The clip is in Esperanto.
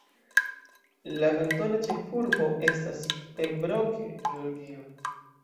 La kantona ĉefurbo estas Pembroke, Georgio.